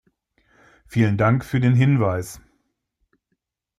Vielen Dank für den Hinweis.